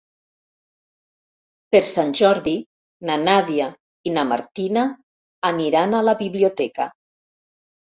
Per Sant Jordi na Nàdia i na Martina aniran a la biblioteca.